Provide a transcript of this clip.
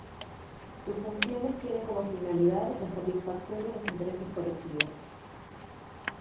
Sus funciones tienen como finalidad la satisfacción de los intereses colectivos.